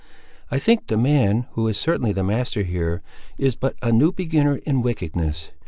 I think the man, who is certainly the master here, is but a new beginner in wickedness.